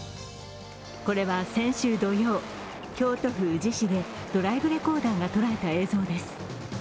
これは先週土曜京都府宇治市でドライブレコーダーが捉えた映像です。